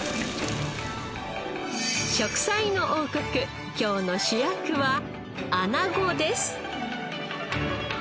『食彩の王国』今日の主役はアナゴです。